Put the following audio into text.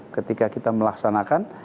ketika kita melaksanakan